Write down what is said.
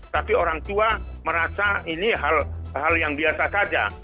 tapi orang tua merasa ini hal yang biasa saja